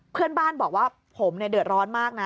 เพื่อนบ้านบอกว่าผมเดือดร้อนมากนะ